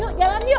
yuk jalan yuk